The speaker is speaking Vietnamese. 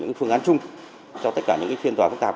những phương án chung cho tất cả những phiên tòa phức tạp